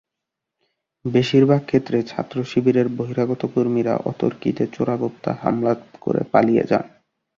বেশির ভাগ ক্ষেত্রে ছাত্রশিবিরের বহিরাগত কর্মীরা অতর্কিতে চোরাগোপ্তা হামলা করে পালিয়ে যান।